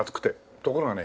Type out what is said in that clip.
ところがね